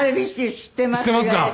知っていますよ。